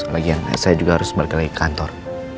lagian saya juga harus balik lagi ke kantor